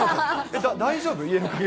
大丈夫？